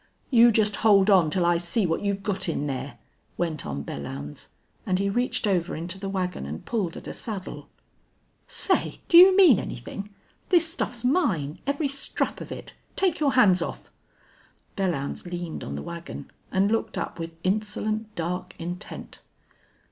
"You just hold on till I see what you've got in there," went on Belllounds, and he reached over into the wagon and pulled at a saddle. "Say, do you mean anything?... This stuff's mine, every strap of it. Take your hands off." Belllounds leaned on the wagon and looked up with insolent, dark intent.